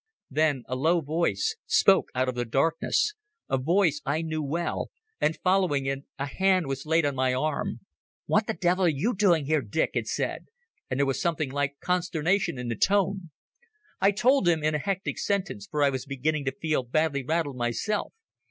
Then a low voice spoke out of the darkness—a voice I knew well—and, following it, a hand was laid on my arm. "What the devil are you doing here, Dick?" it said, and there was something like consternation in the tone. I told him in a hectic sentence, for I was beginning to feel badly rattled myself.